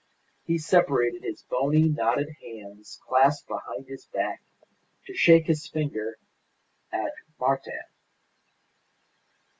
He separated his bony, knotted hands clasped behind his back, to shake his finger at Martin.